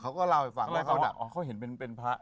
เขาก็ลาไปฝั่งและเข้าดัก